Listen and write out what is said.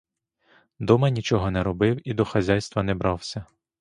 Дома нічого не робив і до хазяйства не брався.